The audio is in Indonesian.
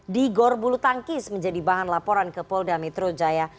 di gorbulu tangkis menjadi bahan laporan ke polda metro jaya